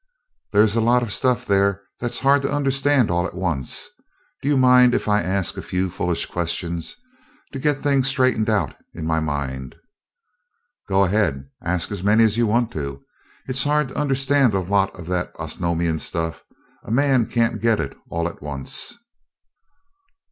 "There's a lot of stuff there that's hard to understand all at once. Do you mind if I ask a few foolish questions, to get things straightened out in my mind?" "Go ahead ask as many as you want to. It is hard to understand a lot of that Osnomian stuff a man can't get it all at once."